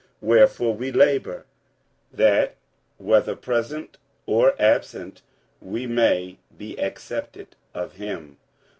47:005:009 Wherefore we labour, that, whether present or absent, we may be accepted of him.